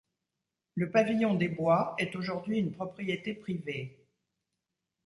Le pavillon des Bois est aujourd'hui une propriété privée.